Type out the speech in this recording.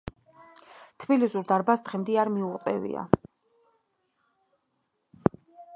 თბილისურ დარბაზს დღემდე არ მოუღწევია.